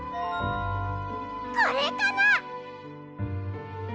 これかな？